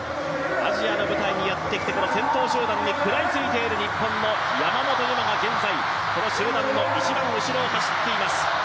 アジアの舞台にやってきたこの先頭集団に食らいついている日本の山本有真が今、集団の一番後ろを走っています。